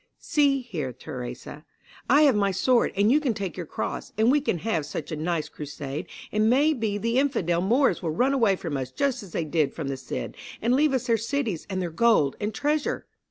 (1) See here, Theresa; I have my sword and you can take your cross, and we can have such a nice crusade, and may be the infidel Moors will run away from us just as they did from the Cid and leave us their cities and their gold and treasure?